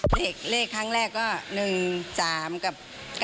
เลขครั้งแรกก็๑๓กับ๙๙